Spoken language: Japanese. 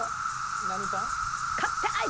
何パン？